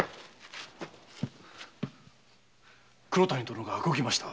黒谷殿が動きました。